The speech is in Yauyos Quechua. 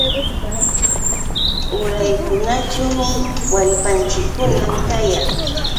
Uraykunaćhuumi wallpanchikkuna kayan.